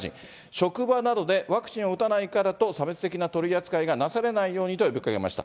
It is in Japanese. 職場などでワクチンを打たないからと差別的な取り扱いがなされないようにと呼びかけました。